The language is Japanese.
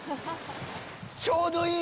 ちょうどいい！